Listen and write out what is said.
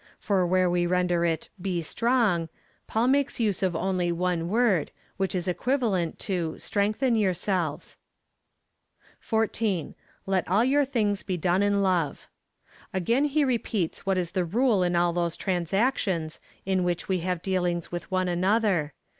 For where we render it he strong, Paul makes use of only one word, which is equiva lent to strengthen yourselves. 14. Let all your things he done in love. Again he repeats what is the rule in all those transactions, in which w^e have dealings with one another.